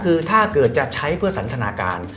๒คือถ้าเกิดจะใช้เพื่อสัญลักษณะการ